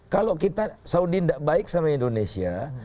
kalau kita saudi tidak baik sama indonesia